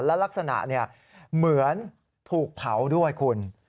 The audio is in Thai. และลักษณะเหมือนถูกเผาด้วยคุณ